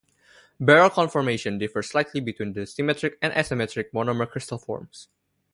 Barrel conformation differs slightly between the symmetric and asymmetric monomer crystal forms.